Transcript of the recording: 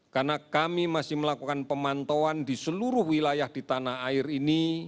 karena kami masih melakukan pemantauan di seluruh wilayah di tanah air ini